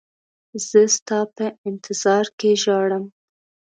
زه ستا په انتظار کې ژاړم.